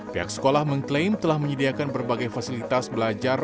pihak sekolah mengklaim telah menyediakan berbagai fasilitas belajar